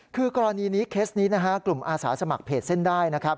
คือกรณีนี้เคสนี้กลุ่มอาสาสมัครเพจเส้นได้